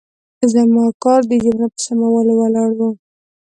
زما کار د جملو په سمولو ولاړ و.